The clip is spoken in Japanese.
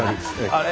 あれ？